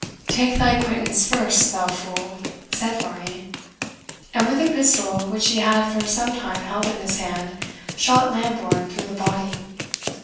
"Take thy quittance first, thou fool!" said Varney; and with a pistol, which he had for some time held in his hand, shot Lambourne through the body.